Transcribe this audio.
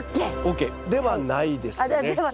ＯＫではないですね。